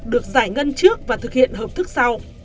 được giải ngân trước và thực hiện hợp thức sau